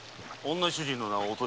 女主人の名は「お豊」。